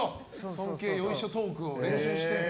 尊敬よいしょトークを練習すると。